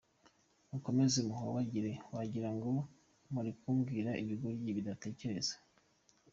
Mukomeze muhobagire wagirango murikubwira ibigoryi bidatekereza.